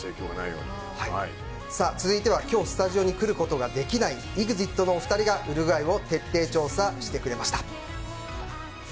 続いては今日スタジオに来ることができないＥＸＩＴのお二人がウルグアイを徹底調査してくれました。